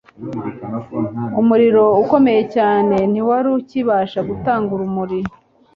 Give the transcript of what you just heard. umuriro ukomeye cyane ntiwari ukibasha gutanga urumuri